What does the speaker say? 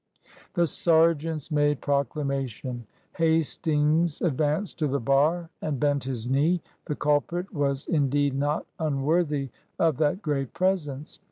The Sergeants made proclamation. Hastings ad vanced to the bar, and bent his knee. The culprit was indeed not unworthy of that great presence.